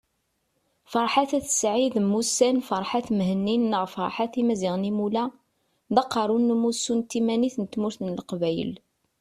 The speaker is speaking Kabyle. Ferḥat At Said mmusan Ferhat Mehenni neɣ Ferhat Imazighen Imula, d Aqerru n Umussu n Timanit n Tmurt n Leqbayel